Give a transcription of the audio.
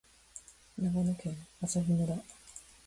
長野県朝日村